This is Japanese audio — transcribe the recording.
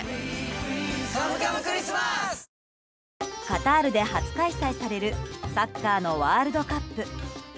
カタールで初開催されるサッカーのワールドカップ。